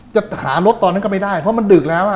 จะหารถตอนนั้นก็ไม่ได้เพราะมันดึกแล้ว